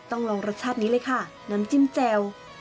ลองรสชาตินี้เลยค่ะน้ำจิ้มแจ่ว